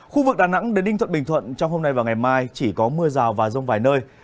khu vực đà nẵng đến ninh thuận bình thuận trong hôm nay và ngày mai chỉ có mưa rào và rông vài nơi